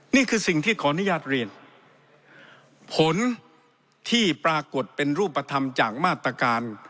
นี่คือสิ่งที่ขออนุญาตเรียนผลที่ปรากฏเป็นรูปธรรมจากมาตรการ